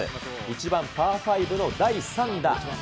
１番パー５の第３打。